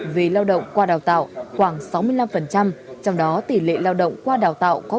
về lao động qua đào tạo khoảng sáu mươi năm trong đó tỷ lệ lao động qua đào tạo có